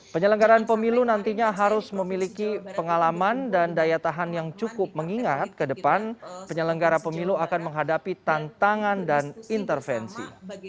penyelenggaran pemilu nantinya harus memiliki pengalaman dan daya tahan yang cukup mengingat ke depan penyelenggara pemilu akan menghadapi tantangan dan intervensi